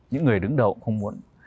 những người đứng đầu cũng không muốn